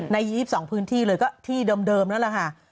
ใน๒๒พื้นที่เลยก็ที่เดิมนั่นแหละค่ะ